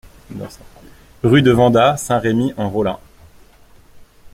Rue de Vendat, Saint-Rémy-en-Rollat